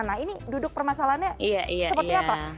nah ini duduk permasalahannya seperti apa